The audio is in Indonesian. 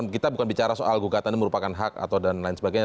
kita bukan bicara soal gugatan ini merupakan hak atau dan lain sebagainya